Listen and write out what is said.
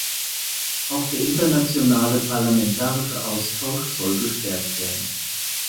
Auch der internationale parlamentarische Austausch soll gestärkt werden.